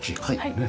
はい。